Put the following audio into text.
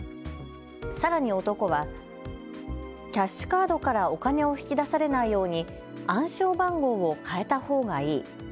さらに男はキャッシュカードからお金を引き出されないように暗証番号を変えたほうがいい。